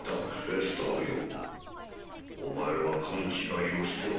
ベスターよお前は勘違いをしておる。